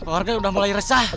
warga udah mulai resah